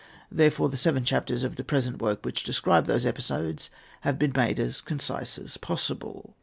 Therefore, the seven chapters of the present work which describe these episodes have been made as concise as possible.